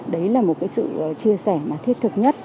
đấy là một cái sự chia sẻ mà thiết thực nhất